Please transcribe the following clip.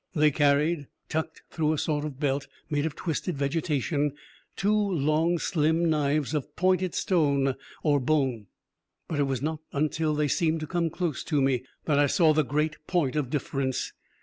They carried, tucked through a sort of belt made of twisted vegetation, two long, slim knives of pointed stone or bone. But it was not until they seemed to come close to me that I saw the great point of difference.